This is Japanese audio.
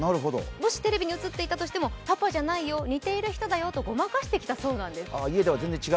もしテレビに映っていたとしても、パパじゃないよ、似た人だよとごまかしてきたそうなんです。